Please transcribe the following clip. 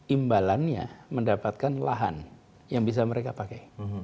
imbalannya mendapatkan lahan yang bisa mereka pakai